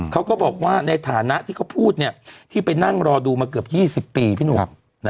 เขาก็บอกว่าในฐานะที่เขาพูดที่ไปนั่งรอดูมาเกือบ๒๐ปีพี่หนุ่ม